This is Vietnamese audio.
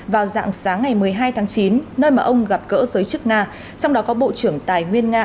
vào dạng sáng ngày một mươi hai tháng chín nơi mà ông gặp cỡ giới chức nga trong đó có bộ trưởng tài nguyên nga